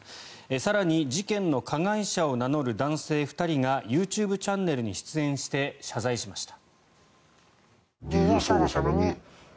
更に事件の加害者を名乗る男性２人がＹｏｕＴｕｂｅチャンネルに出演して、謝罪しました。